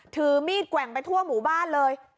ถือมีดแกว่งไปทั่วหมู่บ้านเลย